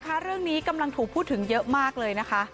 เรื่องนี้กำลังถูกพูดถึงเยอะมากเลยนะคะ